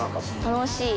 楽しい。